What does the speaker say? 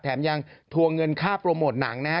แถมยังทวงเงินค่าโปรโมทหนังนะฮะ